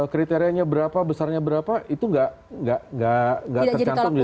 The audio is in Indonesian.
kriterianya berapa besarnya berapa itu nggak tercantum